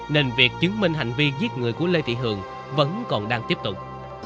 nên việc chứng minh hành vi giết người của lê thị hường vẫn còn đang tiếp tục